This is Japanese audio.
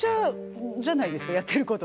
やってること。